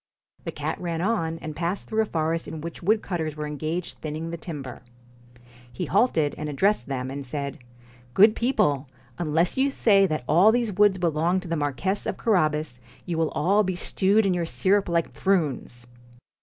The cat ran on, and passed through a forest in which woodcutters were engaged thinning the timber. He halted, and addressed them, and said :' Good people ! unless you say that all these woods belong to the Marquess of Carabas, you will all be stewed in your syrup like prunes.'